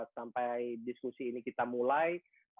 sampai diskusi ini kita mulai